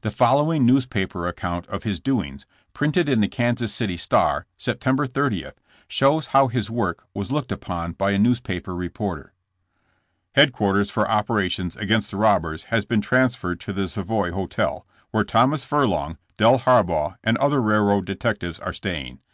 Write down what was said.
The following newspaper account of his do ings, printed in the Kansas City Star, September 30, shows how his work was looked upon by a newspaper reporter: Headquarters for operations against the robbers have been transferred to the Savoy hotel, where Thomas Furlong, Del Harbaugh and other railroad detectives are staying.